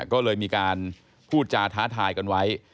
ก็เลยมีการพูดจาท้าทายกันไว้